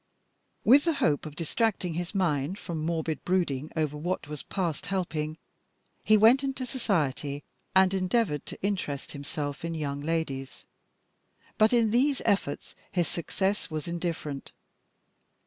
With the hope of distracting his mind from morbid brooding over what was past helping, he went into society, and endeavoured to interest himself in young ladies. But in these efforts his success was indifferent.